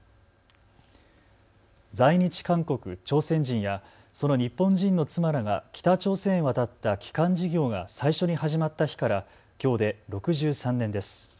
在日韓国・朝鮮人やその日本人の妻らが北朝鮮へ渡った帰還事業が最初に始まった日からきょうで６３年です。